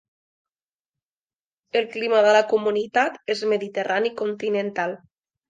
El clima de la comunitat és mediterrani continental.